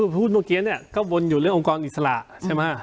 พูดเมื่อกี้เนี่ยก็วนอยู่เรื่ององค์กรอิสระใช่ไหม